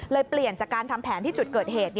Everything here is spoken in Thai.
เปลี่ยนจากการทำแผนที่จุดเกิดเหตุ